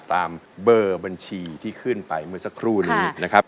ตามเบอร์บัญชีที่ขึ้นไปเมื่อสักครู่นี้นะครับ